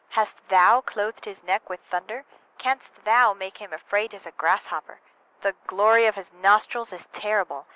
hast thou clothed his neck with thunder? 20Â Canst thou make him afraid as a grasshopper? the glory of his nostrils is terrible.